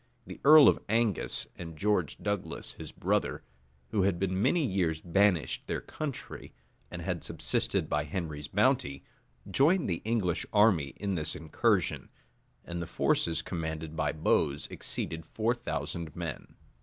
The earl of Angus, and George Douglas, his brother, who had been many years banished their country, and had subsisted by Henry's bounty, joined the English army in this incursion, and the forces commanded by Bowes exceeded four thousand men.